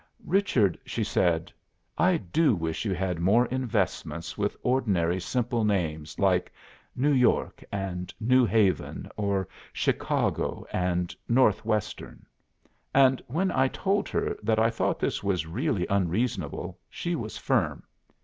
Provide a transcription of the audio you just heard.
'Richard,' she said, 'I do wish you had more investments with ordinary simple names, like New York and New Haven, or Chicago and Northwestern.' And when I told her that I thought this was really unreasonable, she was firm.